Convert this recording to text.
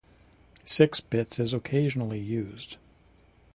"Six bits" is occasionally used.